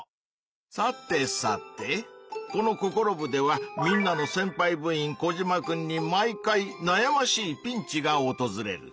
さてさてこの「ココロ部！」ではみんなのせんぱい部員コジマくんに毎回なやましいピンチがおとずれる。